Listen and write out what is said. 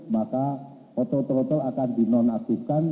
maka auto trotoar akan dinonaktifkan